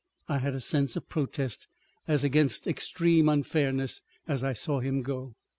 I had a sense of protest, as against extreme unfairness, as I saw him go.